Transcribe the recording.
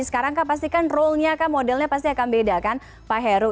sekarang kan pasti kan rolnya modelnya pasti akan beda pak heru